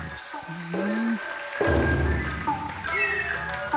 うん。